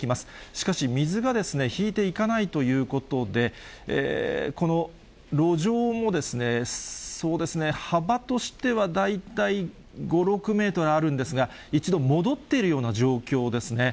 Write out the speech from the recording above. しかし、水が引いていかないということで、この路上も、そうですね、幅としては大体５、６メートルあるんですが、一度戻っているような状況ですね。